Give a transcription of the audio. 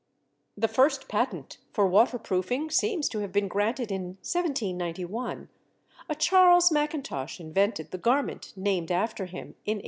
The first patent for waterproofing seems to have been granted in 1791. A Charles Macintosh invented the garment named after him in 1823.